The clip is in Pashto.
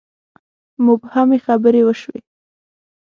مبهمې خبرې وشوې.